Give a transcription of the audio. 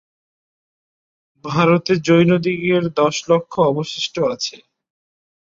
ভারতে জৈনদিগের দশ লক্ষ অবশিষ্ট আছে।